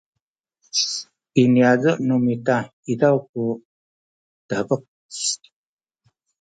i niyazu’ nu mita izaw ku dabek